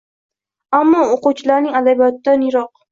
Ammo o‘quvchilarning adabiyotdan yiroq.